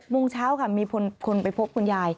โมงเช้าค่ะมีคนไปพบคุณยาย